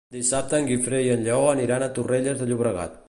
Dissabte en Guifré i en Lleó aniran a Torrelles de Llobregat.